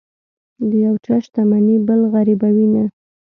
د یو چا شتمني بل غریبوي نه.